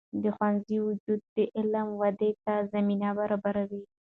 د ښوونځي وجود د علم ودې ته زمینه برابروي.